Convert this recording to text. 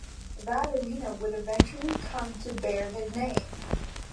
That arena would eventually come to bear his name.